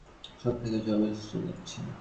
সব তার কাছে অস্পষ্ট লাগছে।